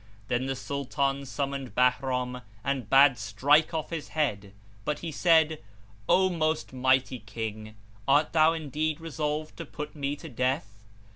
Then the Sultan summoned Bahram and bade strike off his head; but he said, "O most mighty King, art thou indeed resolved to put me to death?"